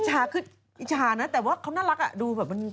อิชาคืออิชาเนอะแต่เขาน่ารักดูแบบว่า